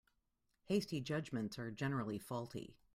Hasty judgements are generally faulty.